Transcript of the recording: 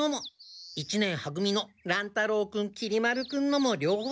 一年は組の乱太郎君きり丸君のも両方とも出てました。